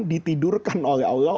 ditidurkan oleh allah